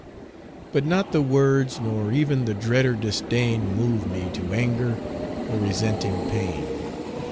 But not the words nor even the dreader disdain Move me to anger or resenting pain.